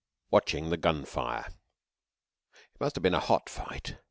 WATCHING THE GUN FIRE It must have been a hot fight.